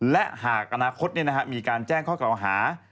และหากอนาคตมีการแจ้งข้อกล่าวหา